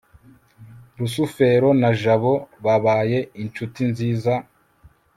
rusufero na jabo babaye inshuti nziza cy